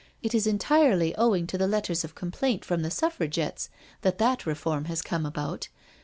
It is entirely owing to the letters of complaint from the Suffragettes that that reform has come about.